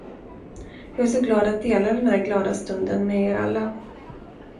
Jag är så glad att dela den här glada stunden med er alla.